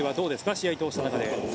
試合、通した中で。